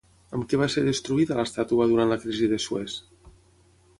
Amb què va ser destruïda l'estàtua durant la Crisi de Suez?